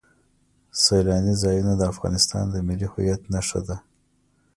سیلانی ځایونه د افغانستان د ملي هویت نښه ده.